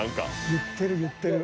言ってる言ってる。